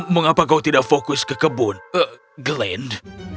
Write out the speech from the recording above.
mengapa kau tidak fokus ke kebun glenn